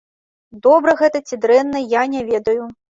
Добра гэта ці дрэнна, я не ведаю.